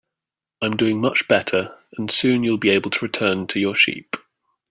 I'm doing much better, and soon you'll be able to return to your sheep.